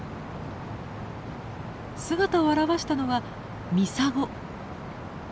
姿を現したのはミサゴ。